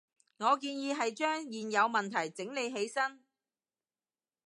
我建議係將現有問題整理起身